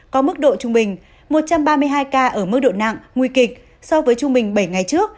có mức độ trung bình một trăm ba mươi hai ca ở mức độ nặng nguy kịch so với trung bình bảy ngày trước